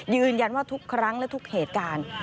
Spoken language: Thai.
ยืนยันว่าทุกครั้งและทุกเหตุการณ์